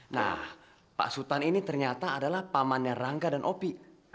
nah pak sultan ini ternyata adalah pamannya rangga dan opi